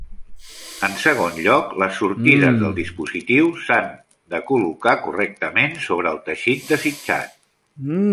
En segon lloc, les sortides del dispositiu s'han col·locar correctament sobre el teixit desitjat.